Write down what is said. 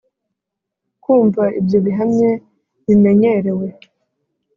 kumva ibyo bihamye, bimenyerewe,